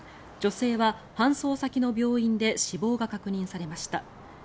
女性は搬送先の病院で死亡が確認されました。